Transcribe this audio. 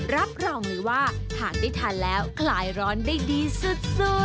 รับรองเลยว่าทานได้ทานแล้วคลายร้อนได้ดีสุด